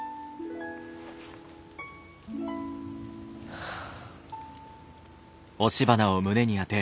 はあ。